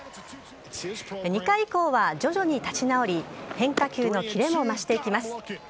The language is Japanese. ２回以降は徐々に立ち直り変化球のキレも増していきます。